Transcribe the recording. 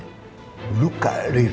luka lewi karena membuat kerja lembul